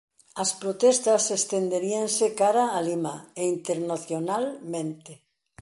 As protestas estenderíanse cara a Lima e internacionalmente.